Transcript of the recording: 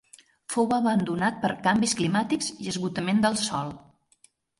Fou abandonat per canvis climàtics i esgotament del sòl.